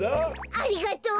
ありがとう。